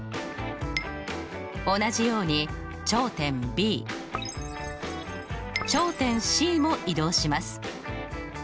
同じように頂点Ｂ頂点Ｃも移動します。